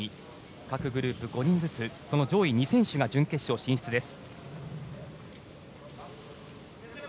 各グループ５人ずつその上位２選手が準決勝進出です。